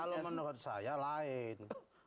kalau menurut saya lain